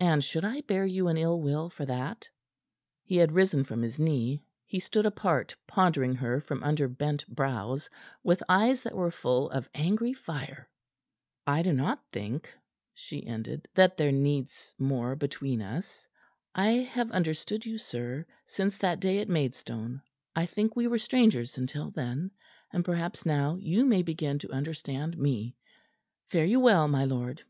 And should I bear you an ill will for that?" He had risen from his knee. He stood apart, pondering her from under bent brows with eyes that were full of angry fire. "I do not think," she ended, "that there needs more between us. I have understood you, sir, since that day at Maidstone I think we were strangers until then; and perhaps now you may begin to understand me. Fare you well, my lord."